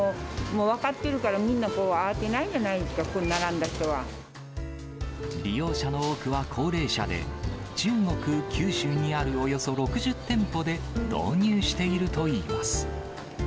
もう、分かってるから、みんな慌てないじゃないですか、ここに並利用者の多くは高齢者で、中国・九州にあるおよそ６０店舗で、導入しているといいます。